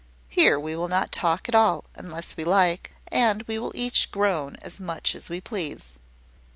Here we will not talk at all, unless we like; and we will each groan as much as we please."